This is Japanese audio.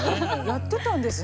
やってたんですね